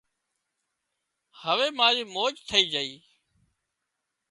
هوي مارِي موج ٿئي جھئي